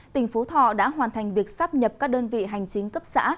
tỉnh phú thọ đã hoàn thành việc sắp nhập các đơn vị hành chính cấp xã